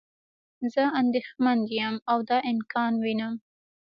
زه اندیښمند یم او دا امکان وینم.